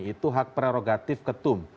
itu hak prerogatif ketum